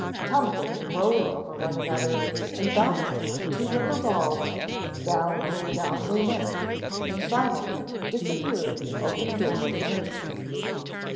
Tumbling and rolling over one another and bouncing like two rubber balls, down and down they went, and finally disappeared in the open door of the nursery.